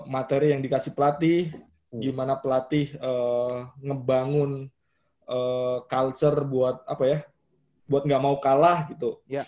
materi yang dikasih pelatih gimana pelatih ngebangun culture buat apa ya buat gak mau kalah gitu